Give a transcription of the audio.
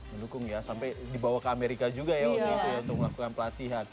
mendukung ya sampai dibawa ke amerika juga ya untuk melakukan pelatihan